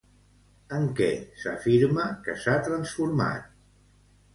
En què s'afirma que s'ha transformat?